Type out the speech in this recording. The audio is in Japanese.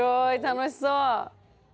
楽しそう。